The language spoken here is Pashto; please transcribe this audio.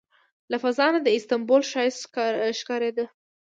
له فضا نه د استانبول ښایست ښکارېده.